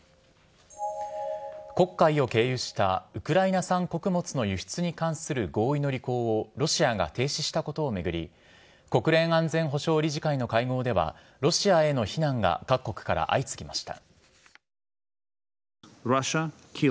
黒海を経由したウクライナ産穀物の輸出に関する合意の履行をロシアが停止したことを巡り、国連安全保障理事会の会合では、ロシアへの非難が各国から相次ぎました。